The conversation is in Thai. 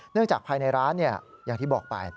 จากภายในร้านอย่างที่บอกไป